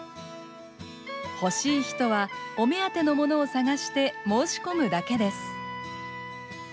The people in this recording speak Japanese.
欲しい人はお目当てのものを探して申し込むだけです。